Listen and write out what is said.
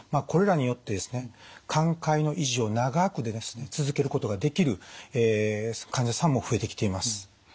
これらによってですね寛解の維持を長く続けることができる患者さんも増えてきています。